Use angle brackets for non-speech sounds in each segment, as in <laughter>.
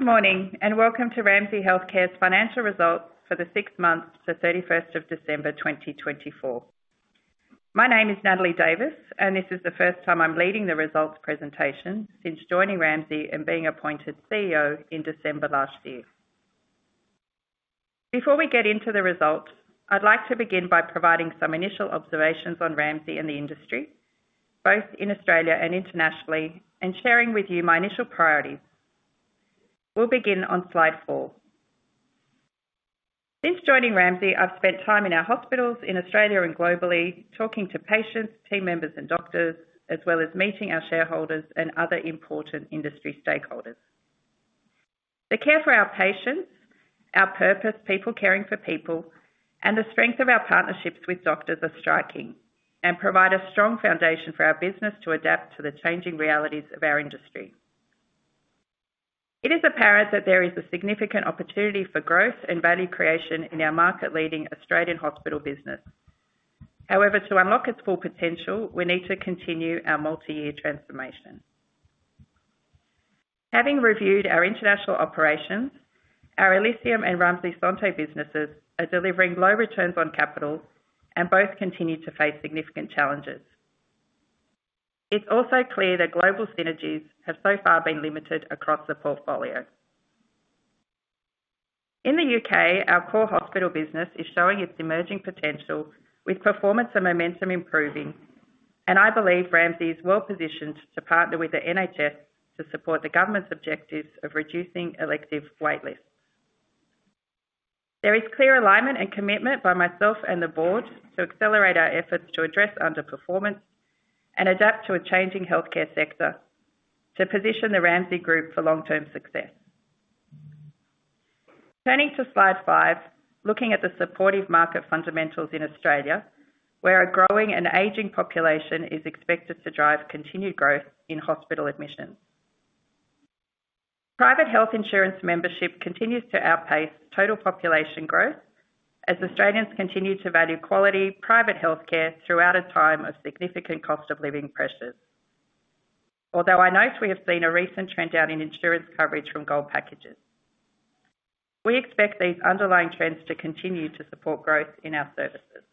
Good morning, and welcome to Ramsay Health Care's financial results for the six months to 31st of December 2024. My name is Natalie Davis, and this is the first time I'm leading the results presentation since joining Ramsay and being appointed CEO in December last year. Before we get into the results, I'd like to begin by providing some initial observations on Ramsay and the industry, both in Australia and internationally, and sharing with you my initial priorities. We'll begin on slide four. Since joining Ramsay, I've spent time in our hospitals in Australia and globally, talking to patients, team members, and doctors, as well as meeting our shareholders and other important industry stakeholders. The care for our patients, our purpose, people caring for people, and the strength of our partnerships with doctors are striking and provide a strong foundation for our business to adapt to the changing realities of our industry. It is apparent that there is a significant opportunity for growth and value creation in our market-leading Australian hospital business. However, to unlock its full potential, we need to continue our multi-year transformation. Having reviewed our international operations, our Elysium and Ramsay Santé businesses are delivering low returns on capital, and both continue to face significant challenges. It's also clear that global synergies have so far been limited across the portfolio. In the U.K., our core hospital business is showing its emerging potential, with performance and momentum improving, and I believe Ramsay is well positioned to partner with the NHS to support the government's objectives of reducing elective waitlists. There is clear alignment and commitment by myself and the board to accelerate our efforts to address underperformance and adapt to a changing healthcare sector, to position the Ramsay Group for long-term success. Turning to slide five, looking at the supportive market fundamentals in Australia, where a growing and aging population is expected to drive continued growth in hospital admissions. Private health insurance membership continues to outpace total population growth, as Australians continue to value quality private healthcare throughout a time of significant cost of living pressures, although I note we have seen a recent trend down in insurance coverage from gold packages. We expect these underlying trends to continue to support growth in our services.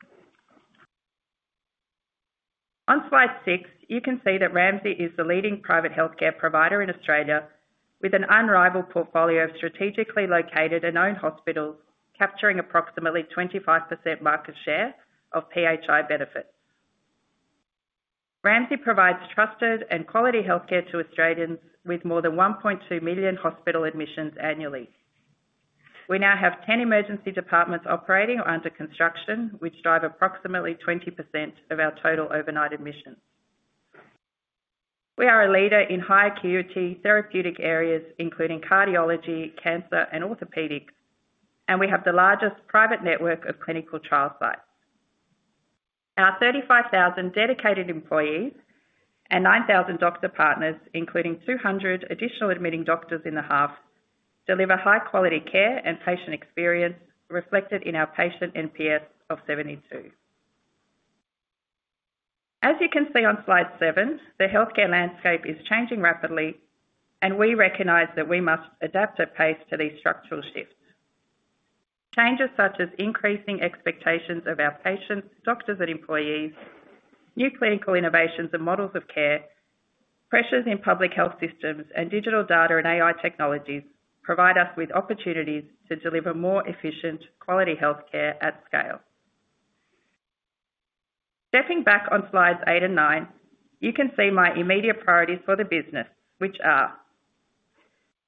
On slide six, you can see that Ramsay is the leading private healthcare provider in Australia, with an unrivaled portfolio of strategically located and owned hospitals, capturing approximately 25% market share of PHI benefits. Ramsay provides trusted and quality healthcare to Australians, with more than 1.2 million hospital admissions annually. We now have 10 emergency departments operating or under construction, which drive approximately 20% of our total overnight admissions. We are a leader in high-acuity therapeutic areas, including cardiology, cancer, and orthopedics, and we have the largest private network of clinical trial sites. Our 35,000 dedicated employees and 9,000 doctor partners, including 200 additional admitting doctors in the heart, deliver high-quality care and patient experience, reflected in our patient NPS of 72. As you can see on slide seven, the healthcare landscape is changing rapidly, and we recognize that we must adapt to these structural shifts. Changes such as increasing expectations of our patients, doctors, and employees, new clinical innovations and models of care, pressures in public health systems, and digital data and AI technologies provide us with opportunities to deliver more efficient, quality healthcare at scale. Stepping back on slides eight and nine, you can see my immediate priorities for the business, which are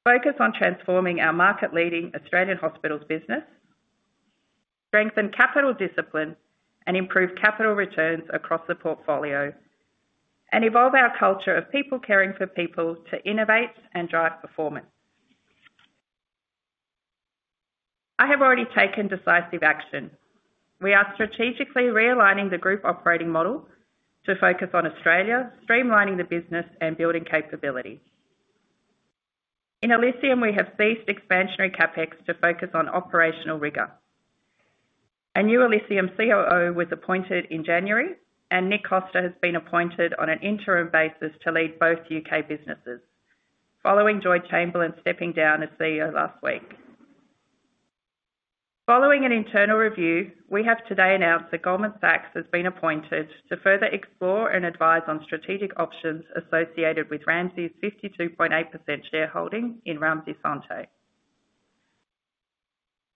focus on transforming our market-leading Australian hospitals business, strengthen capital discipline and improve capital returns across the portfolio, and evolve our culture of people caring for people to innovate and drive performance. I have already taken decisive action. We are strategically realigning the group operating model to focus on Australia, streamlining the business, and building capability. In Elysium, we have ceased expansionary CapEx to focus on operational rigor. A new Elysium COO was appointed in January, and Nick Costa has been appointed on an interim basis to lead both U.K. businesses, following George Chamberlain stepping down as CEO last week. Following an internal review, we have today announced that Goldman Sachs has been appointed to further explore and advise on strategic options associated with Ramsay's 52.8% shareholding in Ramsay Santé.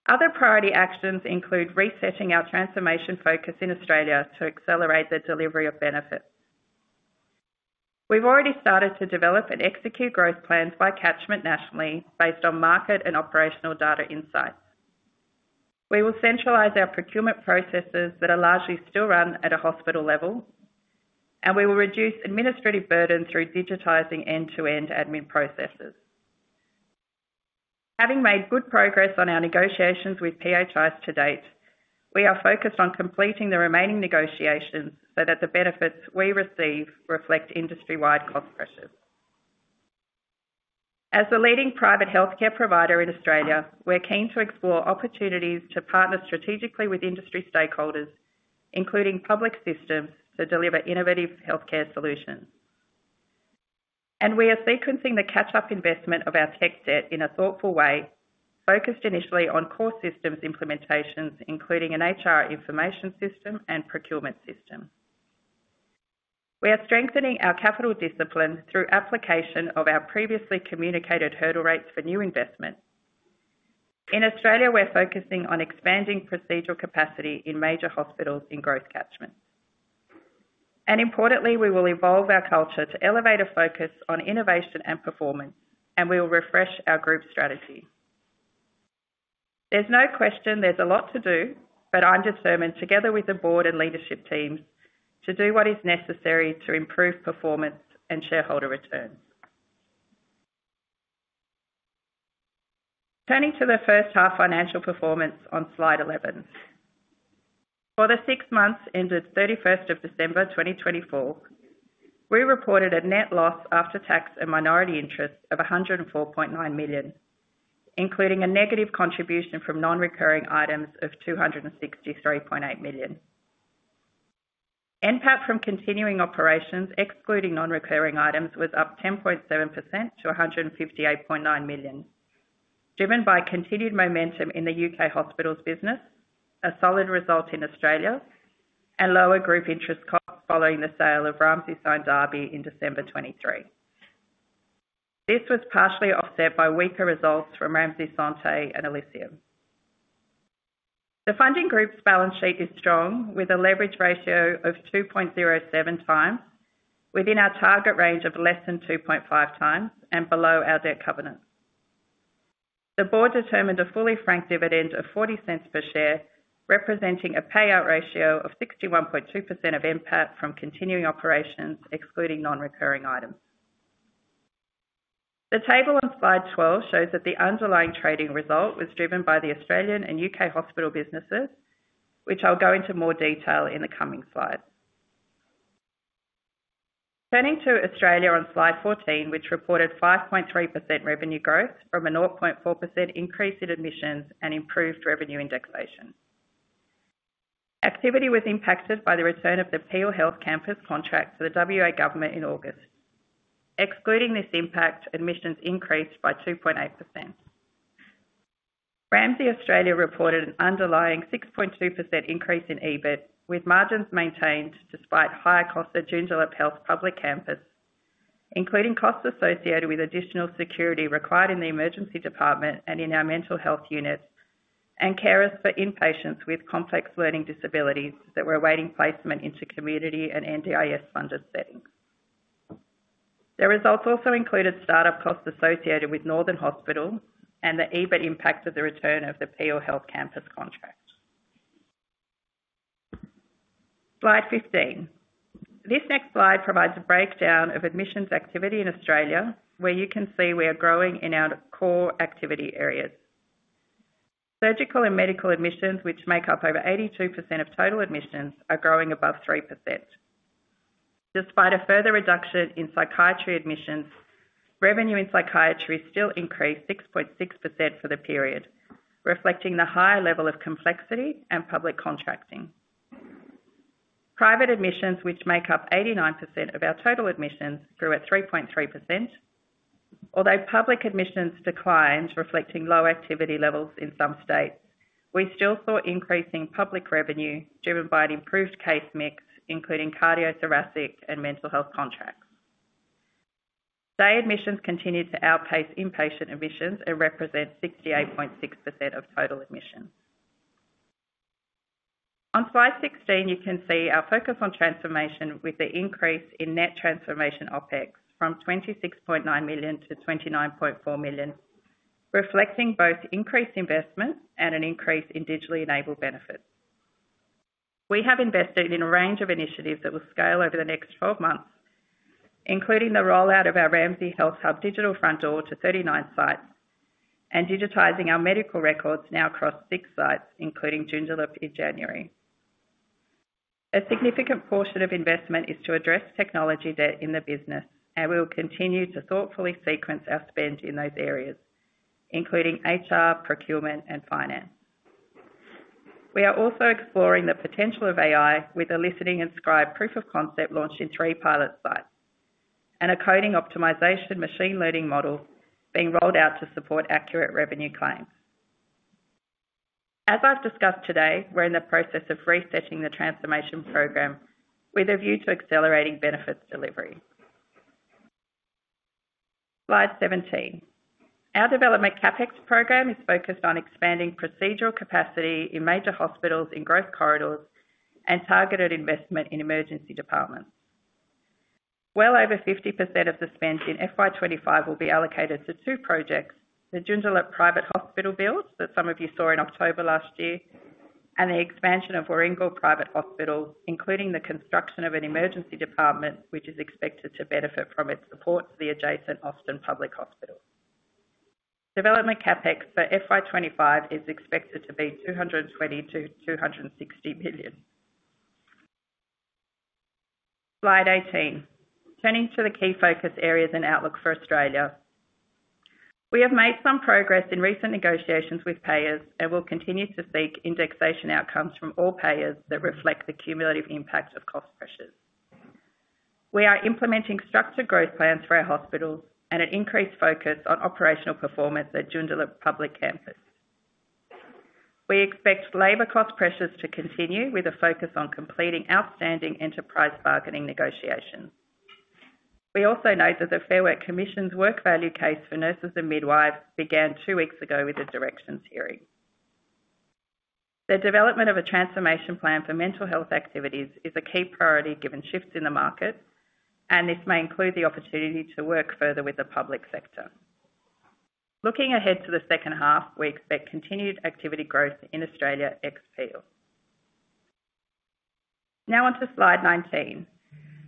Other priority actions include resetting our transformation focus in Australia to accelerate the delivery of benefits. We've already started to develop and execute growth plans by catchment nationally based on market and operational data insights. We will centralize our procurement processes that are largely still run at a hospital level, and we will reduce administrative burden through digitizing end-to-end admin processes. Having made good progress on our negotiations with PHIs to date, we are focused on completing the remaining negotiations so that the benefits we receive reflect industry-wide cost pressures. As the leading private healthcare provider in Australia, we're keen to explore opportunities to partner strategically with industry stakeholders, including public systems, to deliver innovative healthcare solutions. And we are sequencing the catch-up investment of our tech debt in a thoughtful way, focused initially on core systems implementations, including an HR information system and procurement system. We are strengthening our capital discipline through application of our previously communicated hurdle rates for new investments. In Australia, we're focusing on expanding procedural capacity in major hospitals in growth catchments. And importantly, we will evolve our culture to elevate a focus on innovation and performance, and we will refresh our group strategy. There's no question there's a lot to do, but I'm determined, together with the board and leadership teams, to do what is necessary to improve performance and shareholder returns. Turning to the first half financial performance on Slide 11. For the six months ended 31st of December 2024, we reported a net loss after tax and minority interest of 104.9 million, including a negative contribution from non-recurring items of 263.8 million. NPAT from continuing operations, excluding non-recurring items, was up 10.7% to 158.9 million, driven by continued momentum in the U.K. hospitals business, a solid result in Australia, and lower group interest costs following the sale of Ramsay Santé AB in December 2023. This was partially offset by weaker results from Ramsay Santé and Elysium. The funding group's balance sheet is strong, with a leverage ratio of 2.07 times, within our target range of less than 2.5 times, and below our debt covenant. The board determined a fully franked dividend of 0.40 per share, representing a payout ratio of 61.2% of NPAT from continuing operations, excluding non-recurring items. The table on slide 12 shows that the underlying trading result was driven by the Australian and U.K. hospital businesses, which I'll go into more detail in the coming slides. Turning to Australia on slide 14, which reported 5.3% revenue growth from a 0.4% increase in admissions and improved revenue indexation. Activity was impacted by the return of the Peel Health Campus contract to the WA government in August. Excluding this impact, admissions increased by 2.8%. Ramsay Australia reported an underlying 6.2% increase in EBIT, with margins maintained despite higher costs at Joondalup Health's public campus, including costs associated with additional security required in the emergency department and in our mental health units, and carers for inpatients with complex learning disabilities that were awaiting placement into community and NDIS-funded settings. The results also included startup costs associated with Northern Hospital and the EBIT impact of the return of the Peel Health Campus contract. Slide 15. This next slide provides a breakdown of admissions activity in Australia, where you can see we are growing in our core activity areas. Surgical and medical admissions, which make up over 82% of total admissions, are growing above 3%. Despite a further reduction in psychiatry admissions, revenue in psychiatry still increased 6.6% for the period, reflecting the high level of complexity and public contracting. Private admissions, which make up 89% of our total admissions, grew at 3.3%. Although public admissions declined, reflecting low activity levels in some states, we still saw increasing public revenue driven by an improved case mix, including cardiothoracic and mental health contracts. Day admissions continue to outpace inpatient admissions and represent 68.6% of total admissions. On slide 16, you can see our focus on transformation with the increase in net transformation OpEx from 26.9 million-29.4 million, reflecting both increased investment and an increase in digitally enabled benefits. We have invested in a range of initiatives that will scale over the next 12 months, including the rollout of our Ramsay Health Hub digital front door to 39 sites and digitizing our medical records now across six sites, including Joondalup in January. A significant portion of investment is to address technology debt in the business, and we will continue to thoughtfully sequence our spend in those areas, including HR, procurement, and finance. We are also exploring the potential of AI with a listening and scribe proof of concept launched in three pilot sites and a coding optimization machine learning model being rolled out to support accurate revenue claims. As I've discussed today, we're in the process of resetting the transformation program with a view to accelerating benefits delivery. Slide 17. Our development CapEx program is focused on expanding procedural capacity in major hospitals in growth corridors and targeted investment in emergency departments. Well over 50% of the spend in FY 2025 will be allocated to two projects: the Joondalup Private Hospital build that some of you saw in October last year and the expansion of Warringal Private Hospital, including the construction of an emergency department, which is expected to benefit from its support for the adjacent Austin Hospital. Development CapEx for FY 2025 is expected to be 220 million-260 million. Slide 18. Turning to the key focus areas and outlook for Australia. We have made some progress in recent negotiations with payers and will continue to seek indexation outcomes from all payers that reflect the cumulative impact of cost pressures. We are implementing structured growth plans for our hospitals and an increased focus on operational performance at Joondalup Public Campus. We expect labor cost pressures to continue with a focus on completing outstanding enterprise bargaining negotiations. We also know that the Fair Work Commission's work value case for nurses and midwives began two weeks ago with a directions hearing. The development of a transformation plan for mental health activities is a key priority given shifts in the market, and this may include the opportunity to work further with the public sector. Looking ahead to the second half, we expect continued activity growth in Australia ex-Peel. Now on to slide 19.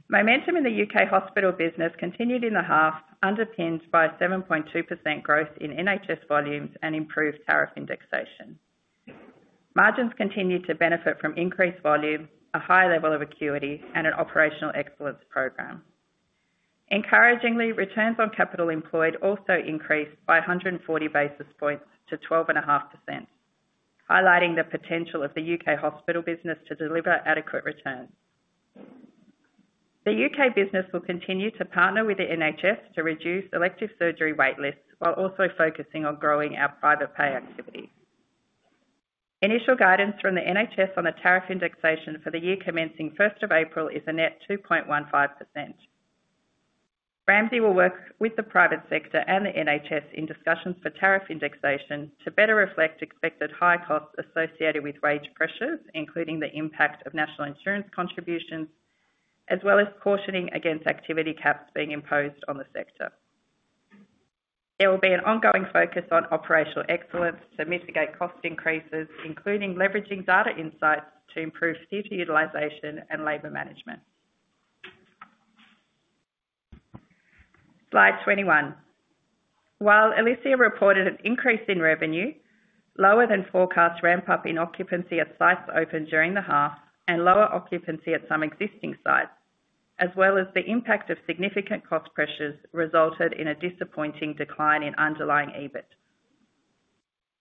Momentum in the U.K. hospital business continued in the half, underpinned by 7.2% growth in NHS volumes and improved tariff indexation. Margins continue to benefit from increased volume, a higher level of acuity, and an operational excellence program. Encouragingly, returns on capital employed also increased by 140 basis points to 12.5%, highlighting the potential of the U.K. hospital business to deliver adequate returns. The U.K. business will continue to partner with the NHS to reduce elective surgery waitlists while also focusing on growing our private pay activity. Initial guidance from the NHS on the tariff indexation for the year commencing 1st of April is a net 2.15%. Ramsay will work with the private sector and the NHS in discussions for tariff indexation to better reflect expected high costs associated with wage pressures, including the impact of national insurance contributions, as well as cautioning against activity caps being imposed on the sector. There will be an ongoing focus on operational excellence to mitigate cost increases, including leveraging data insights to improve theater utilization and labor management. Slide 21. While Elysium reported an increase in revenue, lower than forecast ramp-up in occupancy at sites opened during the half and lower occupancy at some existing sites, as well as the impact of significant cost pressures, resulted in a disappointing decline in underlying EBIT.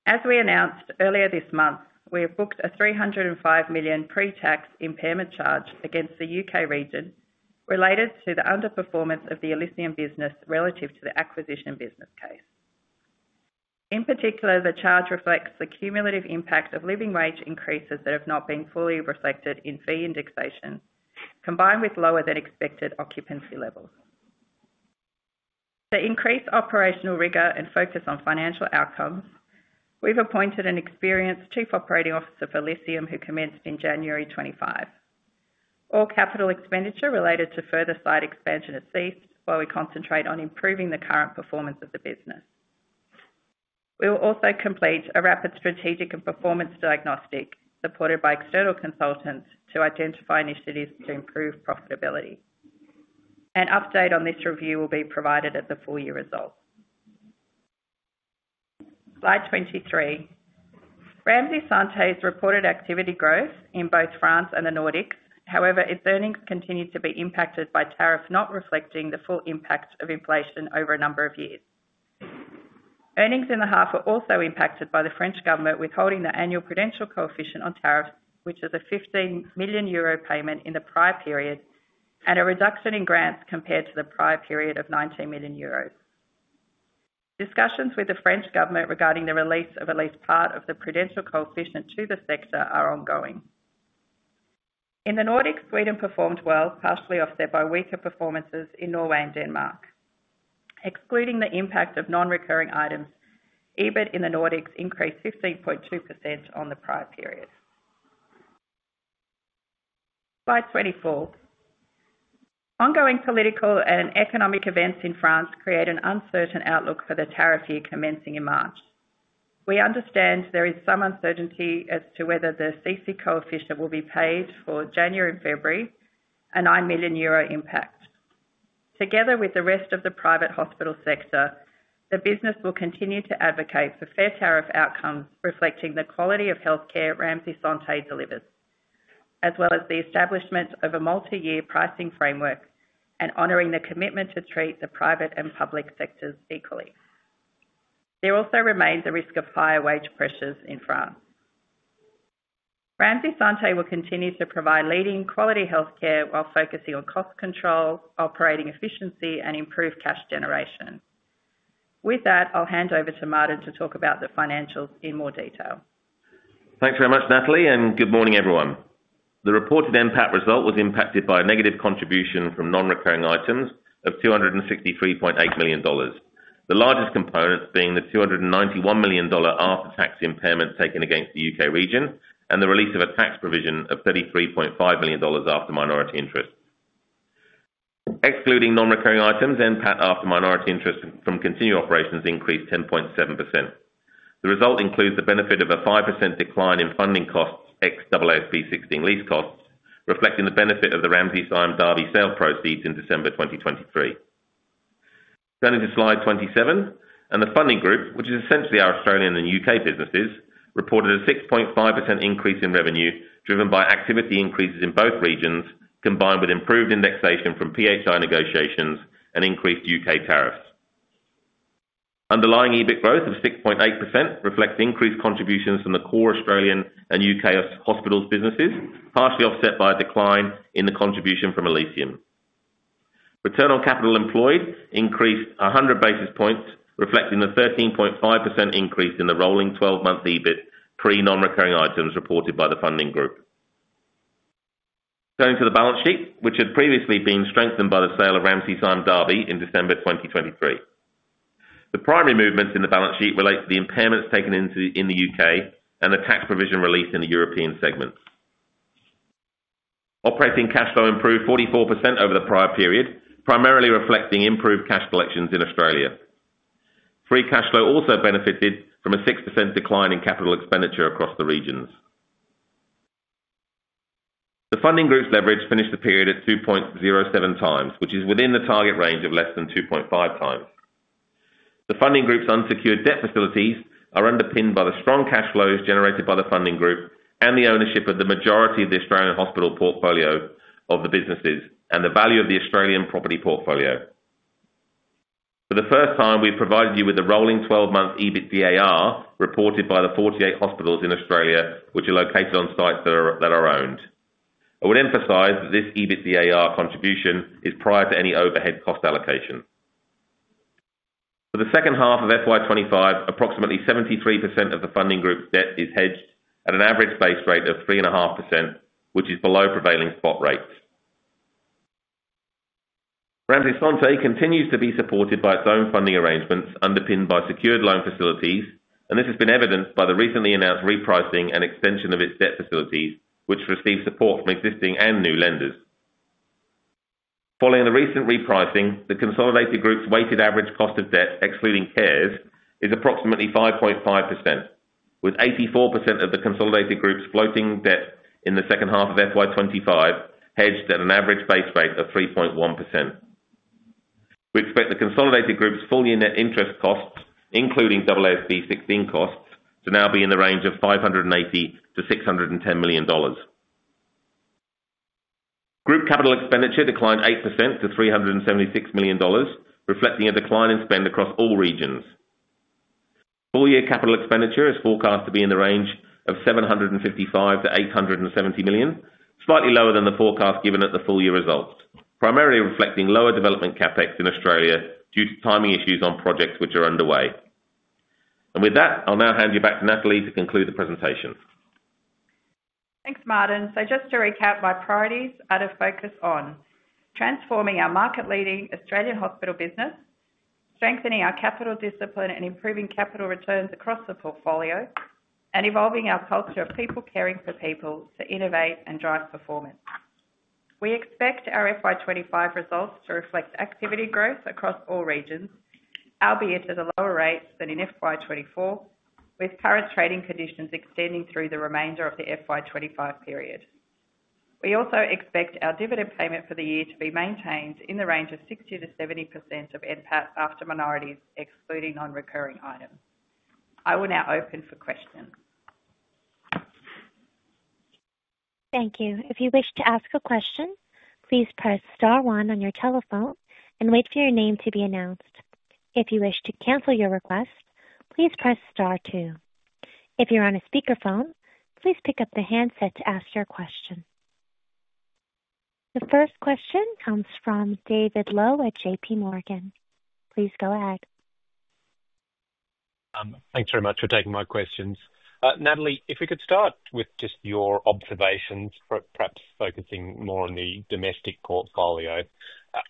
As we announced earlier this month, we have booked an 305 million pre-tax impairment charge against the U.K. region related to the underperformance of the Elysium business relative to the acquisition business case. In particular, the charge reflects the cumulative impact of living wage increases that have not been fully reflected in fee indexation, combined with lower than expected occupancy levels. To increase operational rigor and focus on financial outcomes, we've appointed an experienced Chief Operating Officer for Elysium who commenced in January 2025. All capital expenditure related to further site expansion is ceased while we concentrate on improving the current performance of the business. We will also complete a rapid strategic and performance diagnostic supported by external consultants to identify initiatives to improve profitability. An update on this review will be provided at the full year result. Slide 23. Ramsay Santé has reported activity growth in both France and the Nordics. However, its earnings continue to be impacted by tariffs not reflecting the full impact of inflation over a number of years. Earnings in the half are also impacted by the French government withholding the annual prudential coefficient on tariffs, which is a 15 million euro payment in the prior period and a reduction in grants compared to the prior period of 19 million euros. Discussions with the French government regarding the release of at least part of the prudential coefficient to the sector are ongoing. In the Nordics, Sweden performed well, partially offset by weaker performances in Norway and Denmark. Excluding the impact of non-recurring items, EBIT in the Nordics increased 15.2% on the prior period. Slide 24. Ongoing political and economic events in France create an uncertain outlook for the tariff year commencing in March. We understand there is some uncertainty as to whether the CC coefficient will be paid for January and February, a 9 million euro impact. Together with the rest of the private hospital sector, the business will continue to advocate for fair tariff outcomes reflecting the quality of healthcare Ramsay Santé delivers, as well as the establishment of a multi-year pricing framework and honoring the commitment to treat the private and public sectors equally. There also remains a risk of higher wage pressures in France. Ramsay Santé will continue to provide leading quality healthcare while focusing on cost control, operating efficiency, and improved cash generation. With that, I'll hand over to Martyn to talk about the financials in more detail. Thanks very much, Natalie, and good morning, everyone. The reported NPAT result was impacted by a negative contribution from non-recurring items of 263.8 million dollars, the largest components being the 291 million dollar after-tax impairment taken against the U.K. region and the release of a tax provision of 33.5 million dollars after minority interest. Excluding non-recurring items, NPAT after minority interest from continuing operations increased 10.7%. The result includes the benefit of a 5% decline in funding costs ex-AASB 16 lease costs, reflecting the benefit of the Ramsay Santé AB sale proceeds in December 2023. Turning to slide 27, the funding group, which is essentially our Australian and U.K. businesses, reported a 6.5% increase in revenue driven by activity increases in both regions, combined with improved indexation from PHI negotiations and increased U.K. tariffs. Underlying EBIT growth of 6.8% reflects increased contributions from the core Australian and U.K. hospitals businesses, partially offset by a decline in the contribution from Elysium. Return on capital employed increased 100 basis points, reflecting the 13.5% increase in the rolling 12-month EBIT pre-non-recurring items reported by the funding group. Turning to the balance sheet, which had previously been strengthened by the sale of Ramsay Santé AB in December 2023. The primary movements in the balance sheet relate to the impairments taken in the U.K. and the tax provision released in the European segments. Operating cash flow improved 44% over the prior period, primarily reflecting improved cash collections in Australia. Free cash flow also benefited from a 6% decline in capital expenditure across the regions. The funding group's leverage finished the period at 2.07 times, which is within the target range of less than 2.5 times. The funding group's unsecured debt facilities are underpinned by the strong cash flows generated by the funding group and the ownership of the majority of the Australian hospital portfolio of the businesses and the value of the Australian property portfolio. For the first time, we've provided you with the rolling 12-month EBITDA reported by the 48 hospitals in Australia, which are located on sites that are owned. I would emphasize that this EBITDA contribution is prior to any overhead cost allocation. For the second half of FY 2025, approximately 73% of the funding group's debt is hedged at an average base rate of 3.5%, which is below prevailing spot rates. Ramsay Santé continues to be supported by its own funding arrangements underpinned by secured loan facilities, and this has been evidenced by the recently announced repricing and extension of its debt facilities, which receive support from existing and new lenders. Following the recent repricing, the consolidated group's weighted average cost of debt, excluding CARES, is approximately 5.5%, with 84% of the consolidated group's floating debt in the second half of FY 2025 hedged at an average base rate of 3.1%. We expect the consolidated group's full year net interest costs, including AASB 16 costs, to now be in the range of 580-610 million dollars. Group capital expenditure declined 8% to 376 million dollars, reflecting a decline in spend across all regions. Full year capital expenditure is forecast to be in the range of 755-870 million, slightly lower than the forecast given at the full year results, primarily reflecting lower development CapEx in Australia due to timing issues on projects which are underway. And with that, I'll now hand you back to Natalie to conclude the presentation. Thanks, Martyn. So just to recap my priorities, I'd focus on transforming our market-leading Australian hospital business, strengthening our capital discipline and improving capital returns across the portfolio, and evolving our culture of people caring for people to innovate and drive performance. We expect our FY 2025 results to reflect activity growth across all regions, albeit at a lower rate than in FY 2024, with current trading conditions extending through the remainder of the FY 2025 period. We also expect our dividend payment for the year to be maintained in the range of 60%-70% of NPAT after minorities, excluding non-recurring items. I will now open for questions. Thank you. If you wish to ask a question, please press star one on your telephone and wait for your name to be announced. If you wish to cancel your request, please press star two. If you're on a speakerphone, please pick up the handset to ask your question. The first question comes from David Lowe at JPMorgan. Please go ahead. Thanks very much for taking my questions. Natalie, if we could start with just your observations, perhaps focusing more on the domestic portfolio.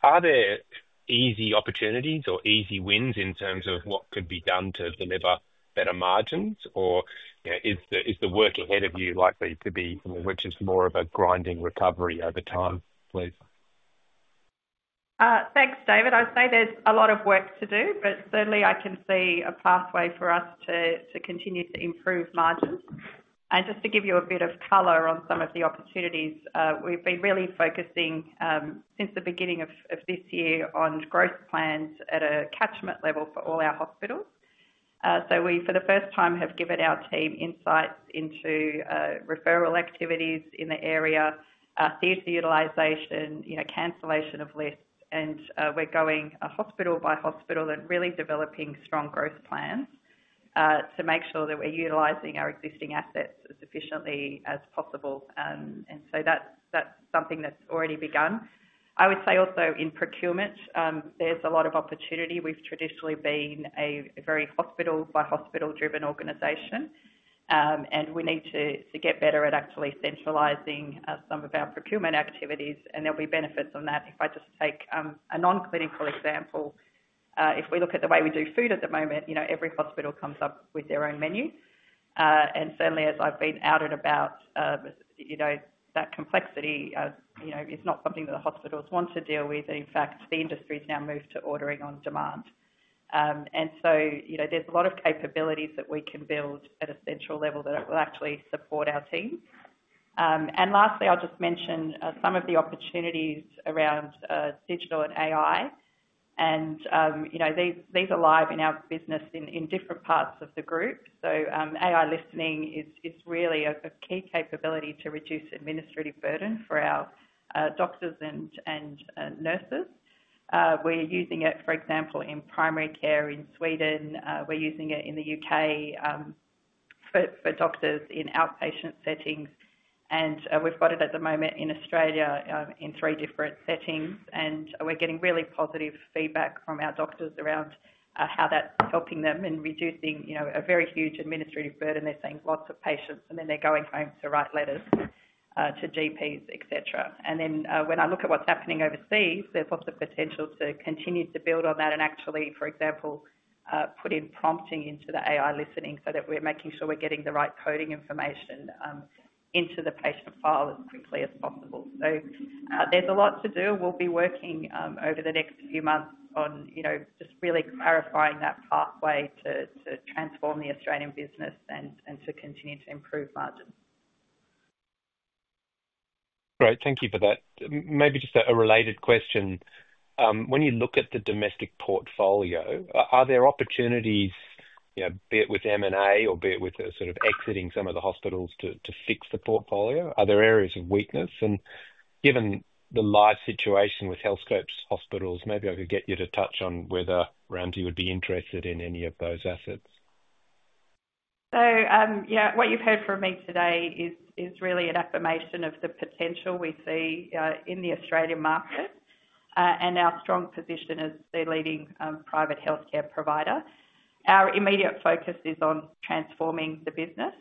Are there easy opportunities or easy wins in terms of what could be done to deliver better margins, or is the work ahead of you likely to be something which is more of a grinding recovery over time, please? Thanks, David. I'd say there's a lot of work to do, but certainly I can see a pathway for us to continue to improve margins. Just to give you a bit of color on some of the opportunities, we've been really focusing since the beginning of this year on growth plans at a catchment level for all our hospitals. So we, for the first time, have given our team insights into referral activities in the area, theater utilization, cancellation of lists, and we're going hospital by hospital and really developing strong growth plans to make sure that we're utilizing our existing assets as efficiently as possible. And so that's something that's already begun. I would say also in procurement, there's a lot of opportunity. We've traditionally been a very hospital-by-hospital driven organization, and we need to get better at actually centralizing some of our procurement activities, and there'll be benefits on that. If I just take a non-clinical example, if we look at the way we do food at the moment, every hospital comes up with their own menu. And certainly, as I've been out and about, that complexity is not something that the hospitals want to deal with. In fact, the industry has now moved to ordering on demand. And so there's a lot of capabilities that we can build at a central level that will actually support our team. And lastly, I'll just mention some of the opportunities around digital and AI. And these are live in our business in different parts of the group. So AI listening is really a key capability to reduce administrative burden for our doctors and nurses. We're using it, for example, in primary care in Sweden. We're using it in the U.K. for doctors in outpatient settings. And we've got it at the moment in Australia in three different settings. And we're getting really positive feedback from our doctors around how that's helping them in reducing a very huge administrative burden. They're seeing lots of patients, and then they're going home to write letters to GPs, etc. And then when I look at what's happening overseas, there's lots of potential to continue to build on that and actually, for example, put in prompting into the AI listening so that we're making sure we're getting the right coding information into the patient file as quickly as possible. So there's a lot to do. We'll be working over the next few months on just really clarifying that pathway to transform the Australian business and to continue to improve margins. Great. Thank you for that. Maybe just a related question. When you look at the domestic portfolio, are there opportunities, be it with M&A or be it with sort of exiting some of the hospitals to fix the portfolio? Are there areas of weakness? And given the live situation with Healthscope's hospitals, maybe I could get you to touch on whether Ramsay would be interested in any of those assets. So what you've heard from me today is really an affirmation of the potential we see in the Australian market and our strong position as the leading private healthcare provider. Our immediate focus is on transforming the business.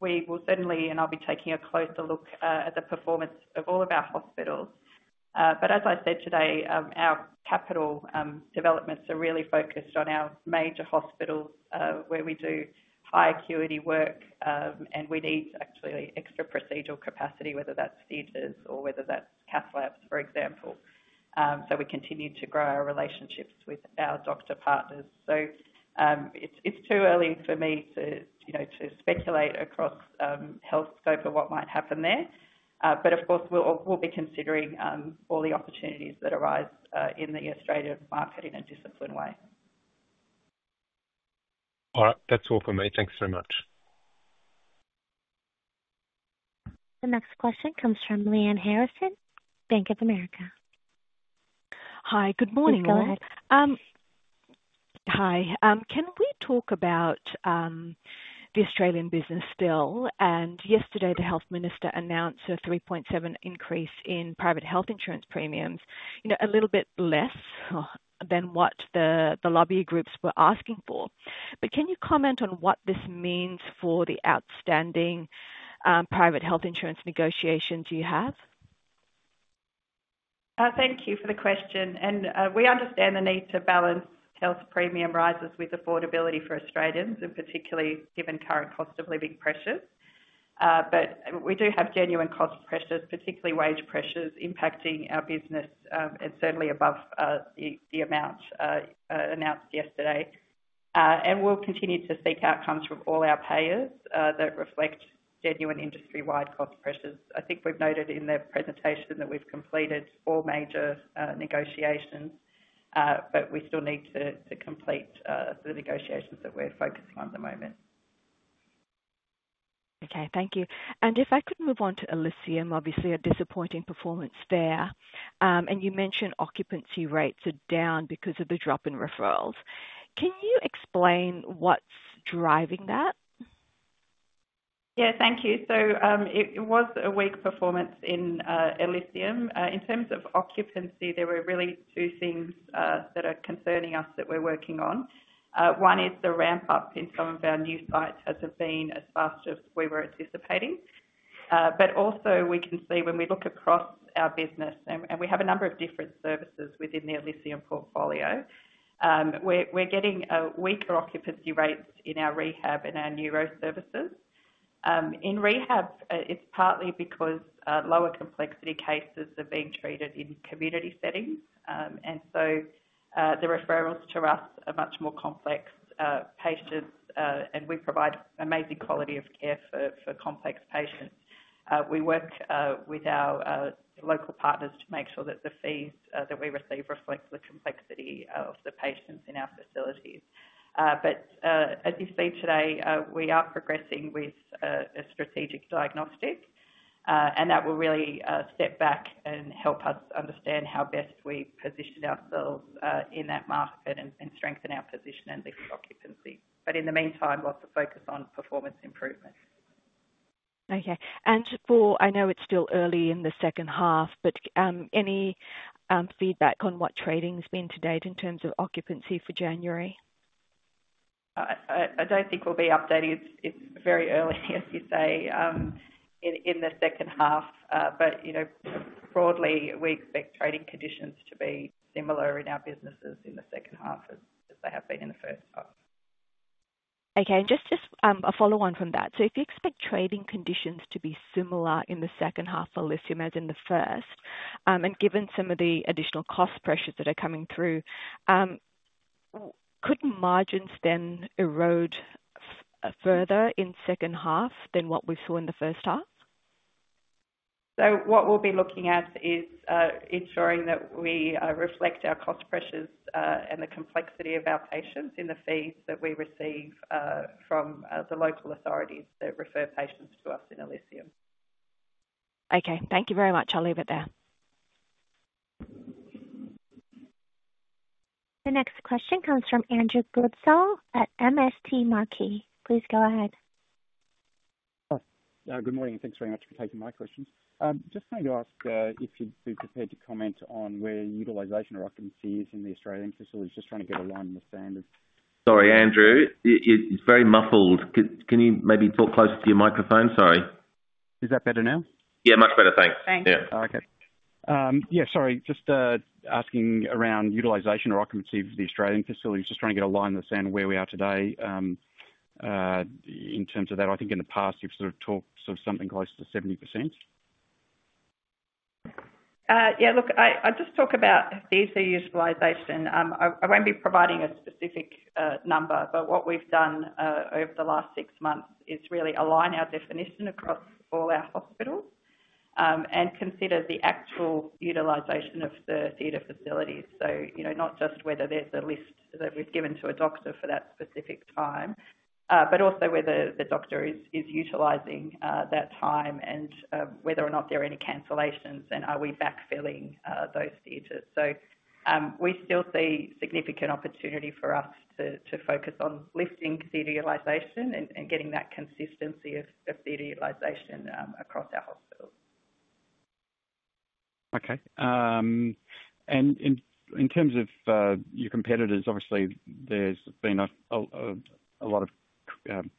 We will certainly, and I'll be taking a closer look at the performance of all of our hospitals. But as I said today, our capital developments are really focused on our major hospitals where we do high acuity work, and we need actually extra procedural capacity, whether that's theaters or whether that's cath labs, for example, so we continue to grow our relationships with our doctor partners. So it's too early for me to speculate across Healthscope of what might happen there. But of course, we'll be considering all the opportunities that arise in the Australian market in a disciplined way. All right. That's all from me. Thanks very much. The next question comes from Lyanne Harrison, Bank of America. Hi. Good morning. <crosstalk> Um hi. Can we talk about the Australian business still, and yesterday, the health minister announced a 3.7% increase in private health insurance premiums, a little bit less than what the lobby groups were asking for. But can you comment on what this means for the outstanding private health insurance negotiations you have? Thank you for the question, and we understand the need to balance health premium rises with affordability for Australians, and particularly given current cost of living pressures, but we do have genuine cost pressures, particularly wage pressures, impacting our business and certainly above the amount announced yesterday, and we'll continue to seek outcomes from all our payers that reflect genuine industry-wide cost pressures. I think we've noted in the presentation that we've completed four major negotiations, but we still need to complete the negotiations that we're focusing on at the moment. Okay. Thank you, and if I could move on to Elysium, obviously a disappointing performance there. You mentioned occupancy rates are down because of the drop in referrals. Can you explain what's driving that? Yeah. Thank you. It was a weak performance in Elysium. In terms of occupancy, there were really two things that are concerning us that we're working on. One is the ramp-up in some of our new sites hasn't been as fast as we were anticipating. We can also see when we look across our business, and we have a number of different services within the Elysium portfolio, we're getting weaker occupancy rates in our rehab and our neuro services. In rehab, it's partly because lower complexity cases are being treated in community settings, and so the referrals to us are much more complex patients, and we provide amazing quality of care for complex patients. We work with our local partners to make sure that the fees that we receive reflect the complexity of the patients in our facilities, but as you see today, we are progressing with a strategic diagnostic, and that will really step back and help us understand how best we position ourselves in that market and strengthen our position and lift occupancy, but in the meantime, lots of focus on performance improvement. Okay, and for I know it's still early in the second half, but any feedback on what trading's been to date in terms of occupancy for January? I don't think we'll be updated. It's very early, as you say, in the second half. But you know, broadly, we expect trading conditions to be similar in our businesses in the second half as they have been in the first half. Okay. And just a follow-on from that. So if you expect trading conditions to be similar in the second half for Elysium as in the first, and given some of the additional cost pressures that are coming through, could margins then erode further in second half than what we saw in the first half? So what we'll be looking at is ensuring that we reflect our cost pressures and the complexity of our patients in the fees that we receive from the local authorities that refer patients to us in Elysium. Okay. Thank you very much. I'll leave it there. The next question comes from Andrew Goodsall at MST Marquee. Please go ahead. Good morning. Thanks very much for taking my questions. Just wanted to ask if you'd be prepared to comment on where utilization or occupancy is in the Australian facilities. Just trying to get a line in the sand of. Sorry, Andrew. It's very muffled. Can you maybe talk closer to your microphone? Sorry. Is that better now? Yeah, much better. Thanks. Thanks. Yeah. Okay. Yeah. Sorry. Just asking around utilization or occupancy of the Australian facilities. Just trying to get a line in the sand of where we are today in terms of that. I think in the past, you've sort of talked to something close to 70%. Yeah. Look, I'll just talk about theater utilization. I won't be providing a specific number, but what we've done over the last six months is really align our definition across all our hospitals and consider the actual utilization of the theater facilities. So not just whether there's a list that we've given to a doctor for that specific time, but also whether the doctor is utilizing that time and whether or not there are any cancellations, and are we backfilling those theaters. So we still see significant opportunity for us to focus on lifting theater utilization and getting that consistency of theater utilization across our hospitals. Okay. And in terms of your competitors, obviously, there's been a lot of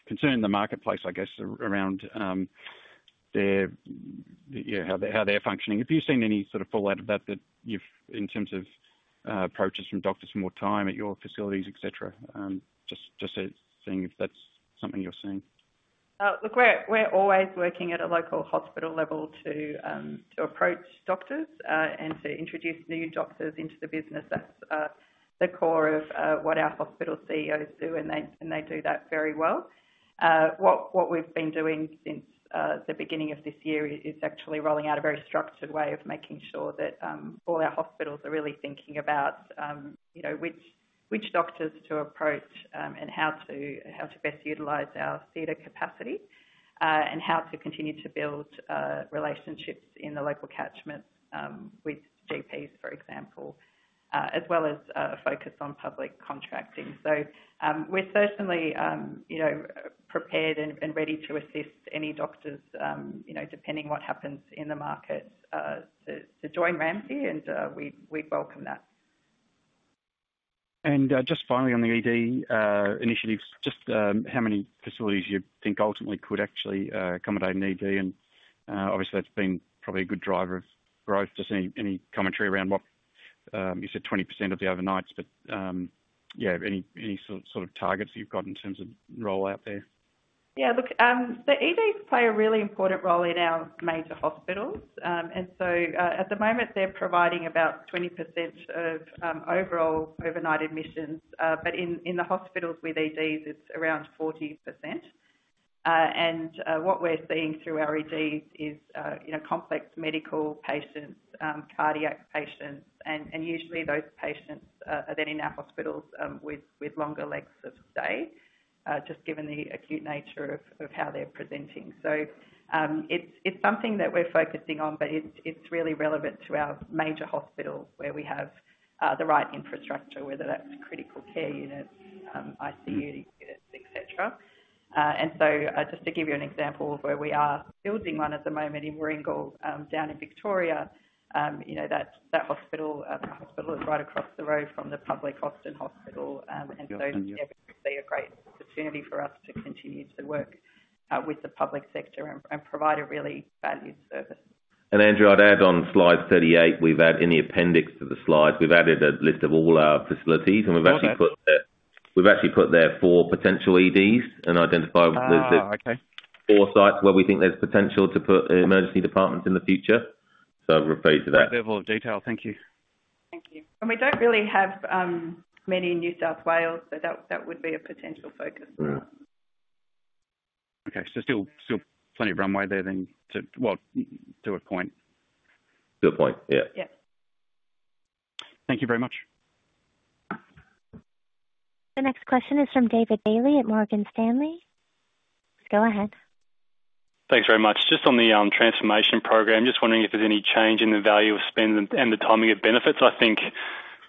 concern in the marketplace, I guess, around how they're functioning. Have you seen any sort of fallout of that in terms of approaches from doctors for more time at your facilities, etc.? Just seeing if that's something you're seeing. Look, we're always working at a local hospital level to approach doctors and to introduce new doctors into the business. That's the core of what our hospital CEOs do, and they do that very well. What we've been doing since the beginning of this year is actually rolling out a very structured way of making sure that all our hospitals are really thinking about which doctors to approach and how to best utilize our theater capacity and how to continue to build relationships in the local catchment with GPs, for example, as well as a focus on public contracting. So we're certainly prepared and ready to assist any doctors, depending on what happens in the market, to join Ramsay, and we welcome that. And just finally, on the ED initiatives, just how many facilities you think ultimately could actually accommodate an ED? And obviously, that's been probably a good driver of growth. Just any commentary around what you said, 20% of the overnights, but yeah, any sort of targets you've got in terms of rollout there? Yeah. Look, the EDs play a really important role in our major hospitals. And so at the moment, they're providing about 20% of overall overnight admissions. But in the hospitals with EDs, it's around 40%. And what we're seeing through our EDs is complex medical patients, cardiac patients, and usually those patients are then in our hospitals with longer lengths of stay, just given the acute nature of how they're presenting. So it's something that we're focusing on, but it's really relevant to our major hospitals where we have the right infrastructure, whether that's critical care units, ICU units, etc. And so just to give you an example of where we are building one at the moment in Warringal down in Victoria, that hospital is right across the road from the public Austin Hospital. And so yeah, we see a great opportunity for us to continue to work with the public sector and provide a really valued service. And Andrew, I'd add on slide 38, we've added an appendix to the slides. We've added a list of all our facilities, and <crosstalk> we've actually put there four potential EDs and identified Oh okay. four sites where we think there's potential to put emergency departments in the future. So I've referred you to that appendix detail. Thank you. Thank you. And we don't really have many in New South Wales, so that would be a potential focus. Okay. So still plenty of runway there then, well, to a point. To a point. Yeah. Yeah. Thank you very much. The next question is from David Bailey at Morgan Stanley. Go ahead. Thanks very much. Just on the transformation program, just wondering if there's any change in the value of spend and the timing of benefits. I think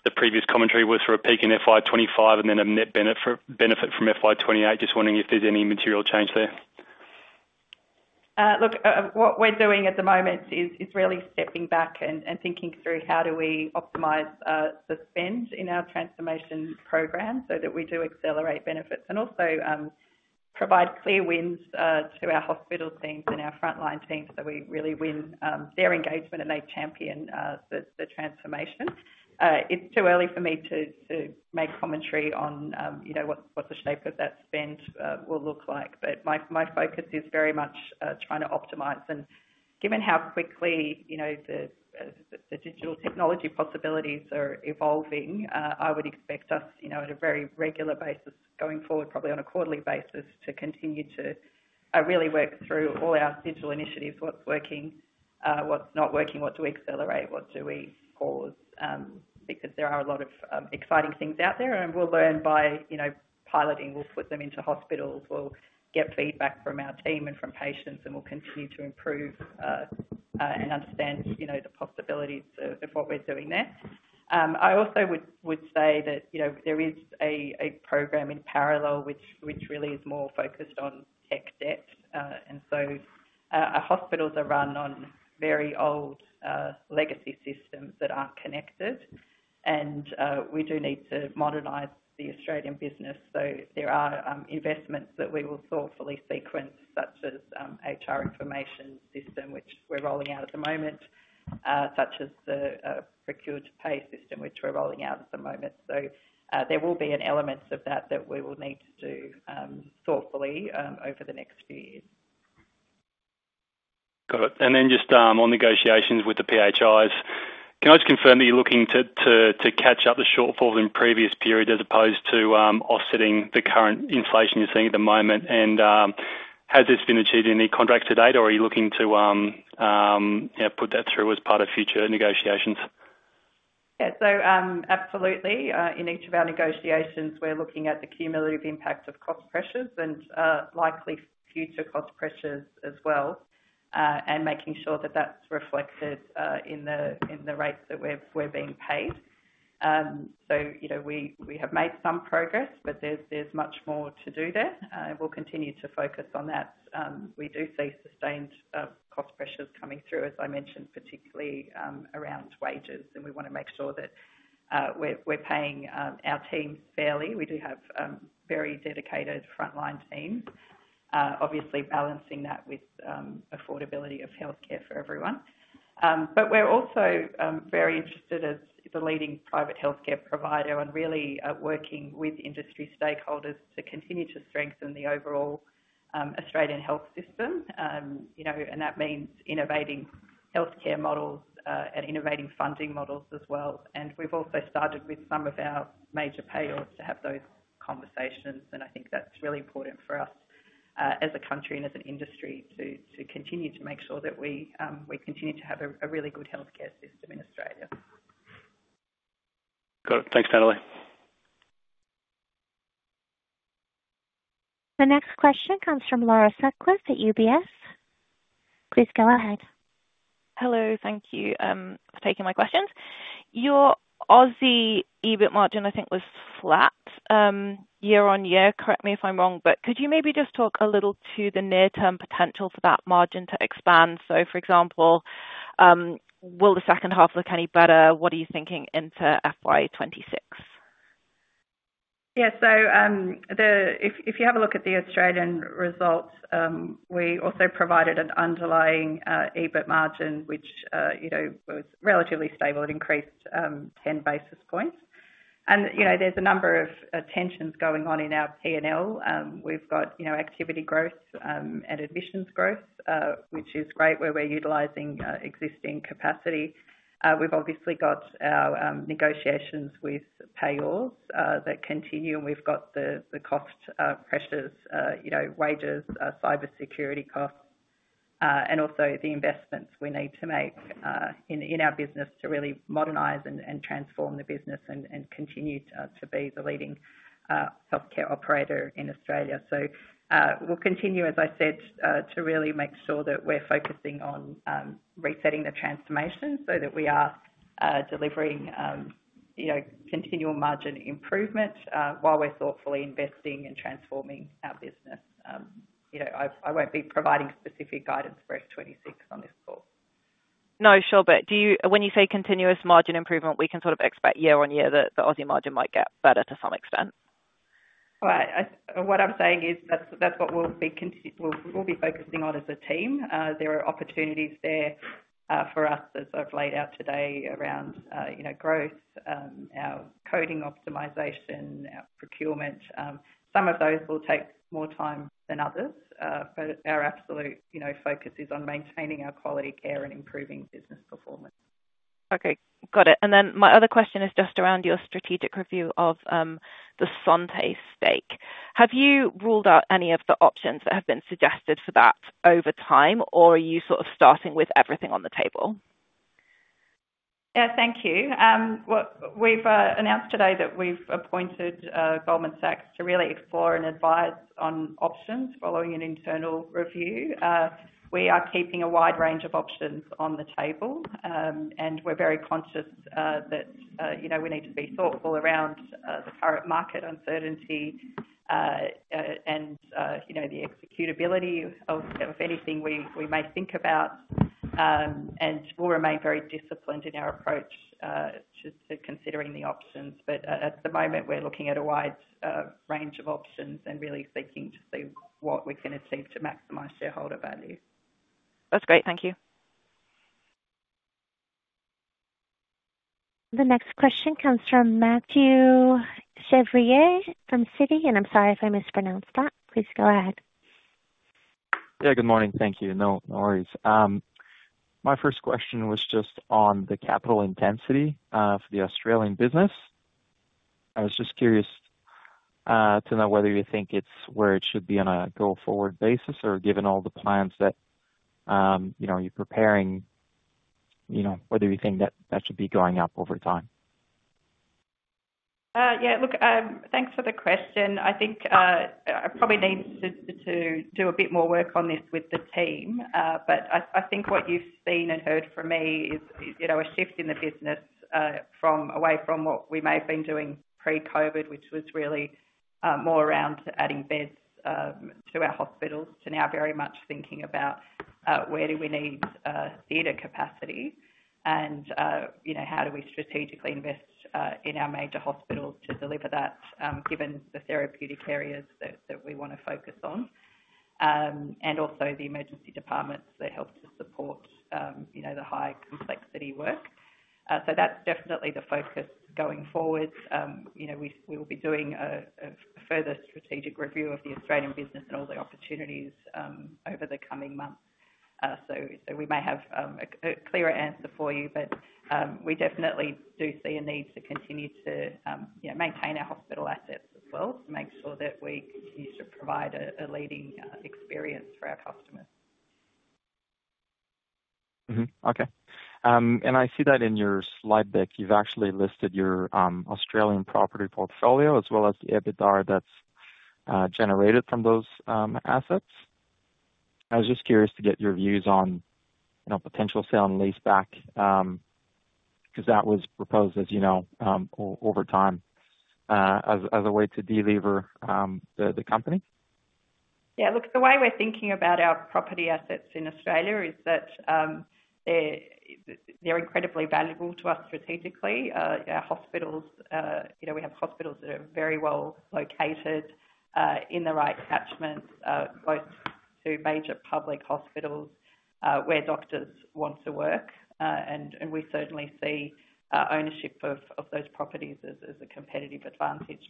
the previous commentary was for a peak in FY 2025 and then a net benefit from FY 2028. Just wondering if there's any material change there. Look, what we're doing at the moment is really stepping back and thinking through how do we optimize the spend in our transformation program so that we do accelerate benefits and also provide clear wins to our hospital teams and our frontline teams so we really win their engagement and they champion the transformation. It's too early for me to make commentary on what the shape of that spend will look like. But my focus is very much trying to optimize, and given how quickly the digital technology possibilities are evolving, I would expect us, at a very regular basis, going forward, probably on a quarterly basis, to continue to really work through all our digital initiatives, what's working, what's not working, what do we accelerate, what do we pause, because there are a lot of exciting things out there, and we'll learn by piloting. We'll put them into hospitals. We'll get feedback from our team and from patients, and we'll continue to improve and understand the possibilities of what we're doing there. I also would say that there is a program in parallel which really is more focused on tech debt, and so our hospitals are run on very old legacy systems that aren't connected, and we do need to modernize the Australian business. So there are investments that we will thoughtfully sequence, such as an HR information system, which we're rolling out at the moment, such as the Procure-to-Pay system, which we're rolling out at the moment. So there will be an element of that that we will need to do thoughtfully over the next few years. Got it. And then just on negotiations with the PHIs, can I just confirm that you're looking to catch up the shortfall in previous period as opposed to offsetting the current inflation you're seeing at the moment? And has this been achieved in any contracts to date, or are you looking to put that through as part of future negotiations? Yeah. So absolutely. In each of our negotiations, we're looking at the cumulative impact of cost pressures and likely future cost pressures as well, and making sure that that's reflected in the rates that we're being paid. So we have made some progress, but there's much more to do there. We'll continue to focus on that. We do see sustained cost pressures coming through, as I mentioned, particularly around wages. And we want to make sure that we're paying our teams fairly. We do have very dedicated frontline teams, obviously balancing that with affordability of healthcare for everyone. But we're also very interested as the leading private healthcare provider and really working with industry stakeholders to continue to strengthen the overall Australian health system. And that means innovating healthcare models and innovating funding models as well. And we've also started with some of our major payers to have those conversations. And I think that's really important for us as a country and as an industry to continue to make sure that we continue to have a really good healthcare system in Australia. Got it. Thanks, Natalie. The next question comes from Laura Sutcliffe at UBS. Please go ahead. Hello. Thank you for taking my questions. Your Aussie EBIT margin, I think, was flat year on year. Correct me if I'm wrong, but could you maybe just talk a little to the near-term potential for that margin to expand, so for example, will the second half look any better? What are you thinking into FY 2026? Yeah, so if you have a look at the Australian results, we also provided an underlying EBIT margin, which was relatively stable. It increased 10 basis points. And there's a number of tensions going on in our P&L. We've got activity growth and admissions growth, which is great where we're utilizing existing capacity. We've obviously got our negotiations with payers that continue. And we've got the cost pressures, wages, cybersecurity costs, and also the investments we need to make in our business to really modernize and transform the business and continue to be the leading healthcare operator in Australia. So we'll continue, as I said, to really make sure that we're focusing on resetting the transformation so that we are delivering continual margin improvement while we're thoughtfully investing and transforming our business. I won't be providing specific guidance for FY 2026 on this call. No, sure. But when you say continuous margin improvement, we can sort of expect year on year that the Aussie margin might get better to some extent. Right. What I'm saying is that's what we'll be focusing on as a team. There are opportunities there for us that I've laid out today around growth, our coding optimization, our procurement. Some of those will take more time than others, but our absolute focus is on maintaining our quality care and improving business performance. Okay. Got it. And then my other question is just around your strategic review of the Santé stake. Have you ruled out any of the options that have been suggested for that over time, or are you sort of starting with everything on the table? Yeah. Thank you. We've announced today that we've appointed Goldman Sachs to really explore and advise on options following an internal review. We are keeping a wide range of options on the table, and we're very conscious that we need to be thoughtful around the current market uncertainty and the executability of anything we may think about. And we'll remain very disciplined in our approach to considering the options. But at the moment, we're looking at a wide range of options and really seeking to see what we can achieve to maximize shareholder value. That's great. Thank you. The next question comes from Mathieu Chevrier from Citi, and I'm sorry if I mispronounced that. Please go ahead. Yeah. Good morning. Thank you. No worries. My first question was just on the capital intensity for the Australian business. I was just curious to know whether you think it's where it should be on a go-forward basis or given all the plans that you're preparing, whether you think that that should be going up over time. Yeah. Look, thanks for the question. I think I probably need to do a bit more work on this with the team. But I think what you've seen and heard from me is a shift in the business away from what we may have been doing pre-COVID, which was really more around adding beds to our hospitals to now very much thinking about where do we need theater capacity and how do we strategically invest in our major hospitals to deliver that given the therapeutic areas that we want to focus on and also the emergency departments that help to support the high-complexity work. So that's definitely the focus going forward. We will be doing a further strategic review of the Australian business and all the opportunities over the coming months. So we may have a clearer answer for you, but we definitely do see a need to continue to maintain our hospital assets as well to make sure that we continue to provide a leading experience for our customers. Okay. And I see that in your slide deck, you've actually listed your Australian property portfolio as well as the EBITDA that's generated from those assets. I was just curious to get your views on potential sale and lease back because that was proposed, as you know, over time as a way to deliver the company? Yeah. Look, the way we're thinking about our property assets in Australia is that they're incredibly valuable to us strategically. We have hospitals that are very well located in the right catchment, both to major public hospitals where doctors want to work. And we certainly see ownership of those properties as a competitive advantage.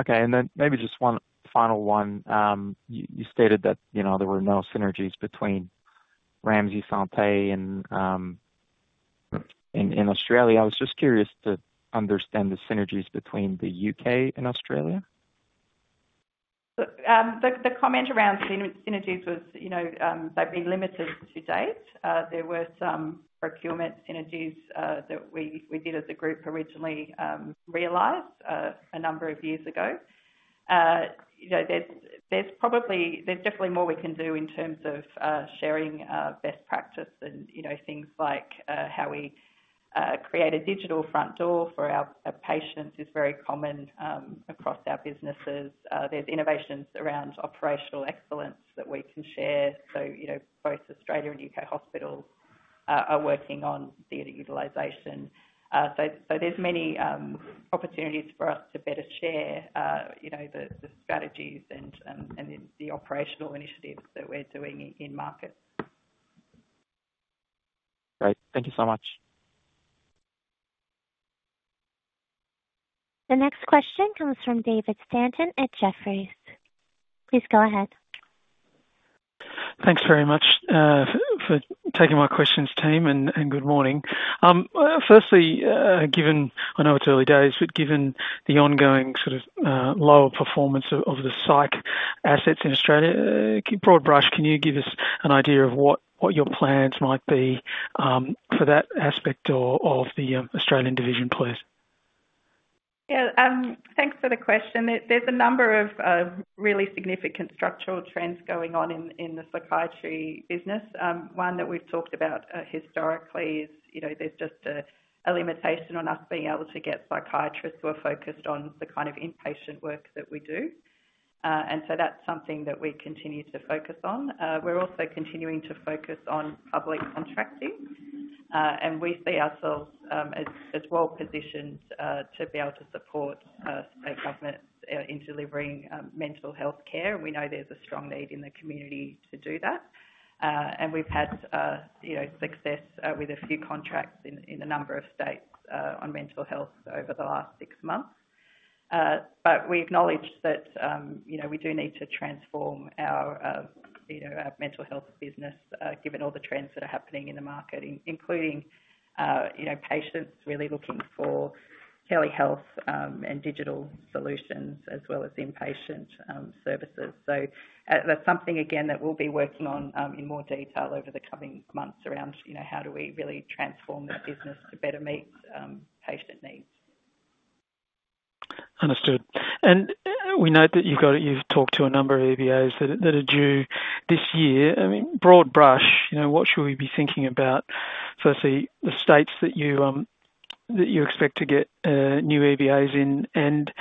Okay. And then maybe just one final one. You stated that there were no synergies between Ramsay Santé and in Australia. I was just curious to understand the synergies between the U.K. and Australia. The comment around synergies was they've been limited to date. There were some procurement synergies that we did as a group originally realize a number of years ago. There's definitely more we can do in terms of sharing best practice and things like how we create a digital front door for our patients is very common across our businesses. There's innovations around operational excellence that we can share. So both Australia and U.K. hospitals are working on theater utilization. So there's many opportunities for us to better share the strategies and the operational initiatives that we're doing in markets. Great. Thank you so much. The next question comes from David Stanton at Jefferies. Please go ahead. Thanks very much for taking my questions, team, and good morning. Firstly, I know it's early days, but given the ongoing sort of lower performance of the SICE assets in Australia, broad brush, can you give us an idea of what your plans might be for that aspect of the Australian division, please? Yeah. Thanks for the question. There's a number of really significant structural trends going on in the psychiatry business. One that we've talked about historically is there's just a limitation on us being able to get psychiatrists who are focused on the kind of inpatient work that we do. And so that's something that we continue to focus on. We're also continuing to focus on public contracting. And we see ourselves as well positioned to be able to support state governments in delivering mental healthcare. And we know there's a strong need in the community to do that. And we've had success with a few contracts in a number of states on mental health over the last six months. But we acknowledge that we do need to transform our mental health business given all the trends that are happening in the market, including patients really looking for telehealth and digital solutions as well as inpatient services. So that's something, again, that we'll be working on in more detail over the coming months around how do we really transform this business to better meet patient needs. Understood. And we know that you've talked to a number of EBAs that are due this year. I mean, broad brush, what should we be thinking about? Firstly, the states that you expect to get new EBAs in and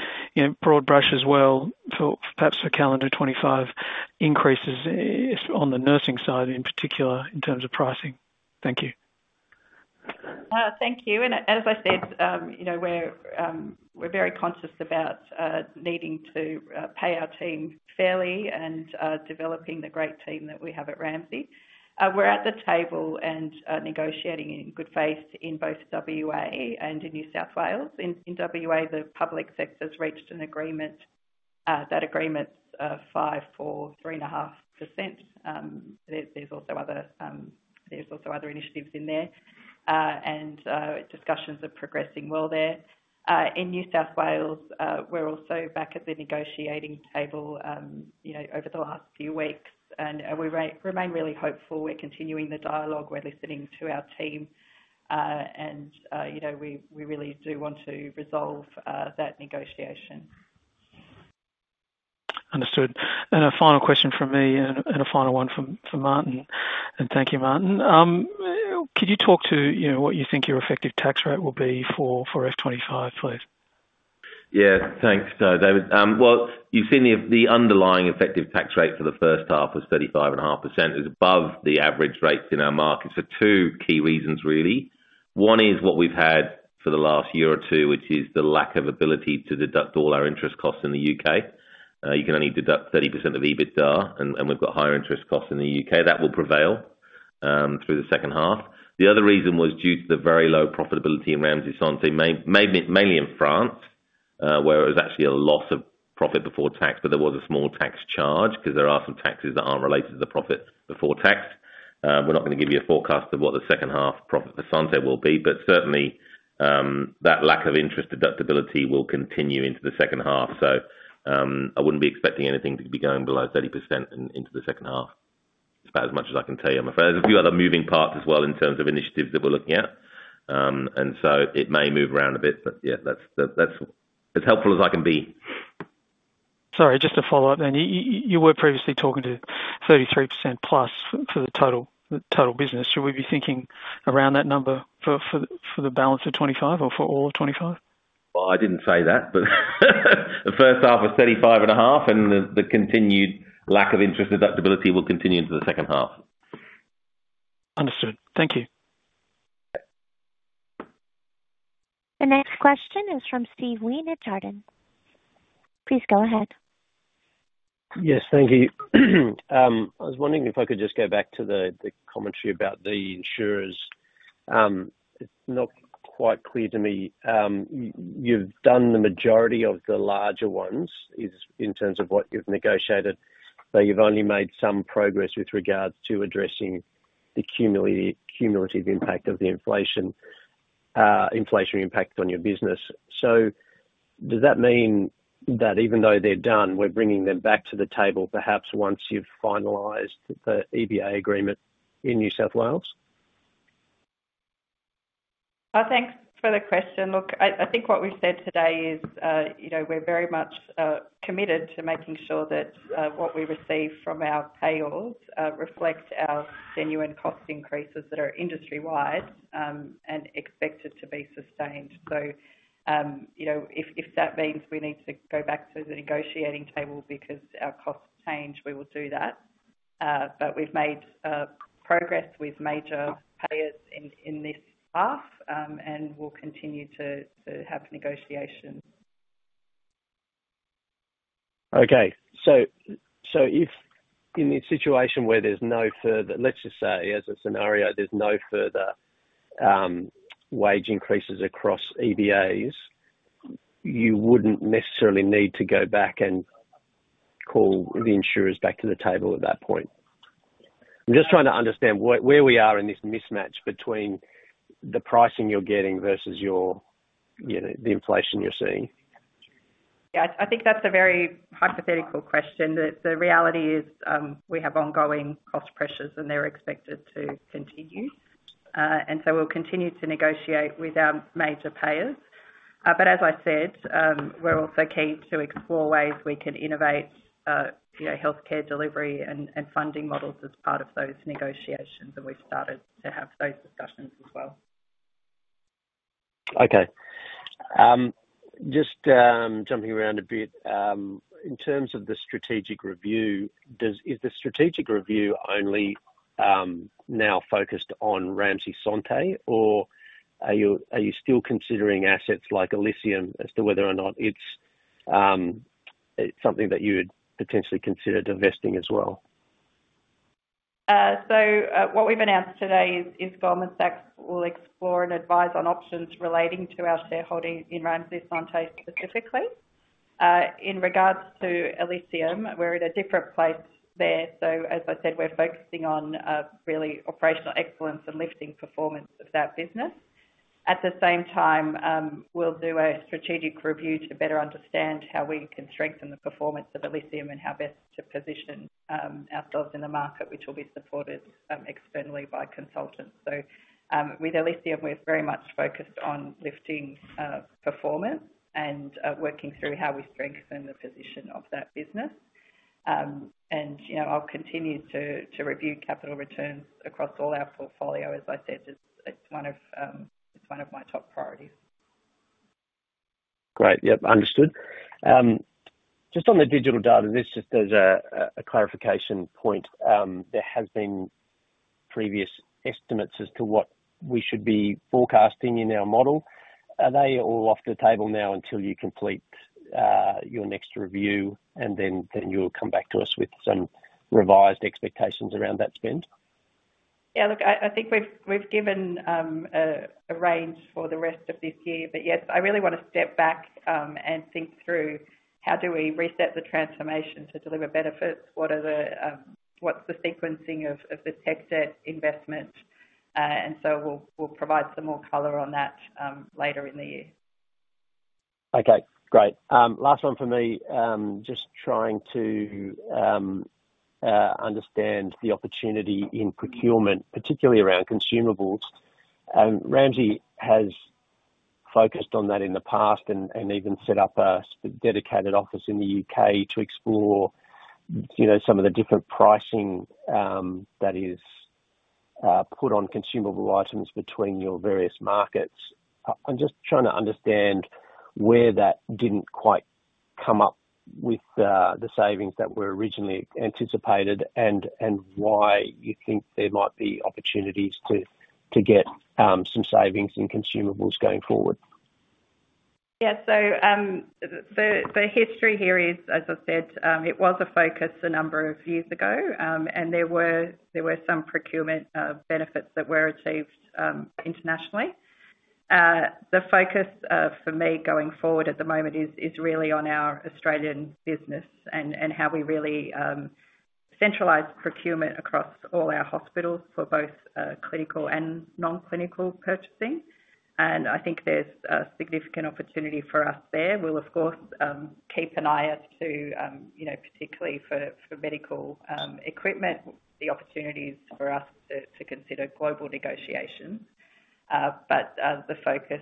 broad brush as well for perhaps calendar 2025 increases on the nursing side in particular in terms of pricing. Thank you. Thank you. As I said, we're very conscious about needing to pay our team fairly and developing the great team that we have at Ramsay. We're at the table and negotiating in good faith in both WA and in New South Wales. In WA, the public sector has reached an agreement. That agreement's 5%, 4%, 3.5%. There's also other initiatives in there. And discussions are progressing well there. In New South Wales, we're also back at the negotiating table over the last few weeks. And we remain really hopeful. We're continuing the dialogue. We're listening to our team. And we really do want to resolve that negotiation. Understood. And a final question from me and a final one from Martyn. And thank you, Martyn. Could you talk to what you think your effective tax rate will be for FY 2025, please? Yeah. Thanks, David. You've seen the underlying effective tax rate for the first half was 35.5%. It's above the average rates in our market for two key reasons, really. One is what we've had for the last year or two, which is the lack of ability to deduct all our interest costs in the U.K. You can only deduct 30% of EBITDA, and we've got higher interest costs in the U.K. That will prevail through the second half. The other reason was due to the very low profitability in Ramsay Santé, mainly in France, where it was actually a loss of profit before tax, but there was a small tax charge because there are some taxes that aren't related to the profit before tax. We're not going to give you a forecast of what the second half profit for Ramsay Santé will be, but certainly that lack of interest deductibility will continue into the second half. So I wouldn't be expecting anything to be going below 30% into the second half. It's about as much as I can tell you. There's a few other moving parts as well in terms of initiatives that we're looking at. And so it may move around a bit, but yeah, it's helpful as I can be. Sorry, just to follow up then. You were previously talking to 33% plus for the total business. Should we be thinking around that number for the balance of 2025 or for all of 2025? Well, I didn't say that, but the first half was 35.5%, and the continued lack of interest deductibility will continue into the second half. Understood. Thank you. The next question is from Steve Wheen at Jarden. Please go ahead. Yes. Thank you. I was wondering if I could just go back to the commentary about the insurers. It's not quite clear to me. You've done the majority of the larger ones in terms of what you've negotiated, but you've only made some progress with regards to addressing the cumulative impact of the inflation impact on your business. So does that mean that even though they're done, we're bringing them back to the table perhaps once you've finalized the EBA agreement in New South Wales? Thanks for the question. Look, I think what we've said today is we're very much committed to making sure that what we receive from our payers reflects our genuine cost increases that are industry-wide and expected to be sustained. So if that means we need to go back to the negotiating table because our costs change, we will do that. But we've made progress with major payers in this half, and we'll continue to have negotiations. Okay. So in the situation where there's no further, let's just say, as a scenario, there's no further wage increases across EBAs, you wouldn't necessarily need to go back and call the insurers back to the table at that point. I'm just trying to understand where we are in this mismatch between the pricing you're getting versus the inflation you're seeing. Yeah. I think that's a very hypothetical question. The reality is we have ongoing cost pressures, and they're expected to continue. And so we'll continue to negotiate with our major payers. But as I said, we're also keen to explore ways we can innovate healthcare delivery and funding models as part of those negotiations, and we've started to have those discussions as well. Okay. Just jumping around a bit. In terms of the strategic review, is the strategic review only now focused on Ramsay Santé, or are you still considering assets like Elysium as to whether or not it's something that you would potentially consider divesting as well? So what we've announced today is Goldman Sachs will explore and advise on options relating to our shareholding in Ramsay Santé specifically. In regards to Elysium, we're in a different place there. So as I said, we're focusing on really operational excellence and lifting performance of that business. At the same time, we'll do a strategic review to better understand how we can strengthen the performance of Elysium and how best to position ourselves in the market, which will be supported externally by consultants. So with Elysium, we're very much focused on lifting performance and working through how we strengthen the position of that business. And I'll continue to review capital returns across all our portfolio. As I said, it's one of my top priorities. Great. Yep. Understood. Just on the digital data, this just as a clarification point, there have been previous estimates as to what we should be forecasting in our model. Are they all off the table now until you complete your next review, and then you'll come back to us with some revised expectations around that spend? Yeah. Look, I think we've given a range for the rest of this year. But yes, I really want to step back and think through how do we reset the transformation to deliver benefits? What's the sequencing of the tech debt investment? And so we'll provide some more color on that later in the year. Okay. Great. Last one for me, just trying to understand the opportunity in procurement, particularly around consumables. Ramsay has focused on that in the past and even set up a dedicated office in the U.K. to explore some of the different pricing that is put on consumable items between your various markets. I'm just trying to understand where that didn't quite come up with the savings that were originally anticipated and why you think there might be opportunities to get some savings in consumables going forward. Yeah. So the history here is, as I said, it was a focus a number of years ago, and there were some procurement benefits that were achieved internationally. The focus for me going forward at the moment is really on our Australian business and how we really centralize procurement across all our hospitals for both clinical and non-clinical purchasing. And I think there's a significant opportunity for us there. We'll, of course, keep an eye as to, particularly for medical equipment, the opportunities for us to consider global negotiation. But the focus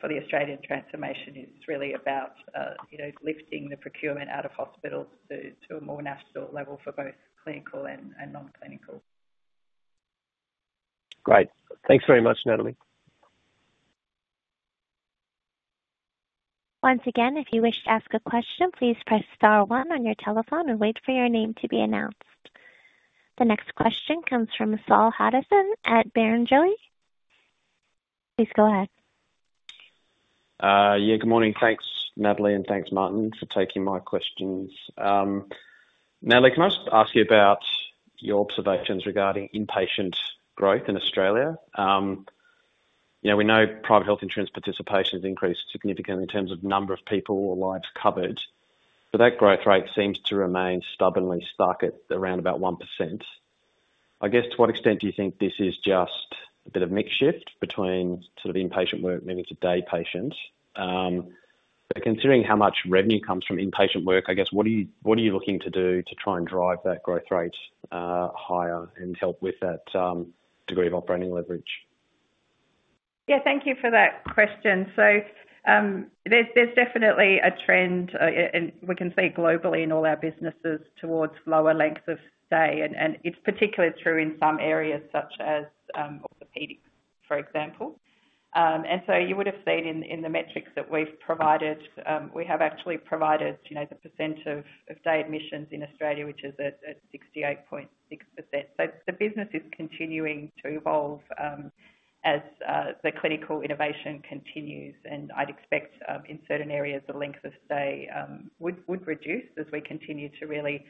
for the Australian transformation is really about lifting the procurement out of hospitals to a more national level for both clinical and non-clinical. Great. Thanks very much, Natalie. Once again, if you wish to ask a question, please press star one on your telephone and wait for your name to be announced. The next question comes from Saul Hadassin at Barrenjoey. Please go ahead. Yeah. Good morning. Thanks, Natalie, and thanks, Martyn, for taking my questions. Natalie, can I just ask you about your observations regarding inpatient growth in Australia? We know private health insurance participation has increased significantly in terms of number of people or lives covered, but that growth rate seems to remain stubbornly stuck at around about 1%. I guess, to what extent do you think this is just a bit of a mixed shift between sort of inpatient work, maybe day patients? But considering how much revenue comes from inpatient work, I guess, what are you looking to do to try and drive that growth rate higher and help with that degree of operating leverage? Yeah. Thank you for that question. There's definitely a trend, and we can see globally in all our businesses towards lower lengths of stay. And it's particularly true in some areas such as orthopedics, for example. And so you would have seen in the metrics that we've provided, we have actually provided the percent of day admissions in Australia, which is at 68.6%. So the business is continuing to evolve as the clinical innovation continues. And I'd expect in certain areas, the length of stay would reduce as we continue to really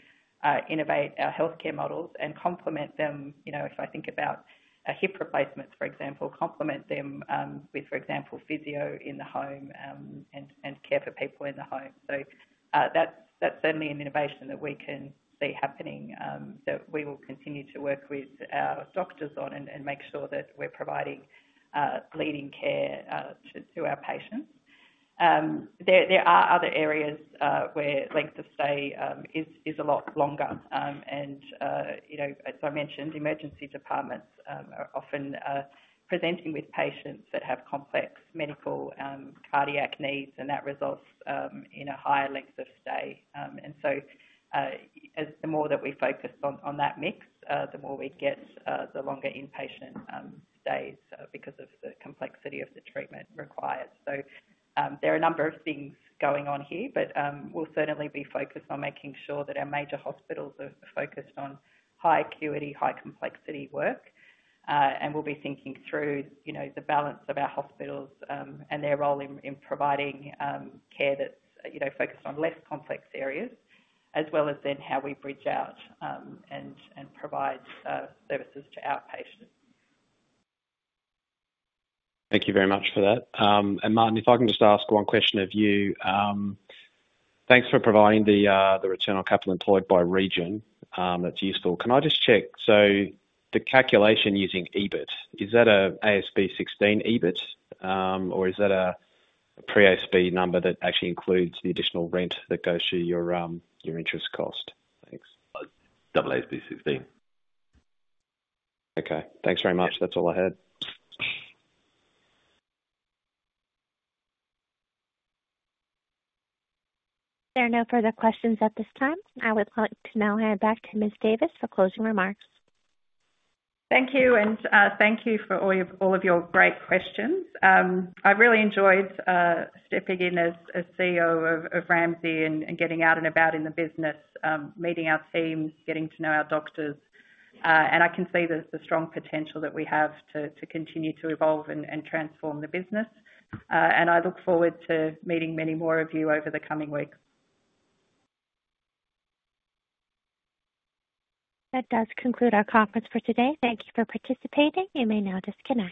innovate our healthcare models and complement them. If I think about hip replacements, for example, complement them with, for example, physio in the home and care for people in the home. So that's certainly an innovation that we can see happening that we will continue to work with our doctors on and make sure that we're providing leading care to our patients. There are other areas where length of stay is a lot longer, and as I mentioned, emergency departments are often presenting with patients that have complex medical cardiac needs, and that results in a higher length of stay. And so the more that we focus on that mix, the more we get the longer inpatient stays because of the complexity of the treatment required, so there are a number of things going on here, but we'll certainly be focused on making sure that our major hospitals are focused on high acuity, high complexity work, and we'll be thinking through the balance of our hospitals and their role in providing care that's focused on less complex areas, as well as then how we bridge out and provide services to our patients. Thank you very much for that, and Martyn, if I can just ask one question of you. Thanks for providing the return on capital employed by region. That's useful. Can I just check? So the calculation using EBIT, is that an AASB 16 EBIT, or is that a pre-AASB number that actually includes the additional rent that goes to your interest cost? Thanks. AASB 16. Okay. Thanks very much. That's all I had. There are no further questions at this time. I would like to now hand back to Ms. Davis for closing remarks. Thank you. And thank you for all of your great questions. I've really enjoyed stepping in as CEO of Ramsay and getting out and about in the business, meeting our teams, getting to know our doctors. And I can see the strong potential that we have to continue to evolve and transform the business. And I look forward to meeting many more of you over the coming weeks. That does conclude our conference for today. Thank you for participating. You may now disconnect.